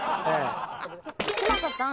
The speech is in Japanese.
嶋佐さん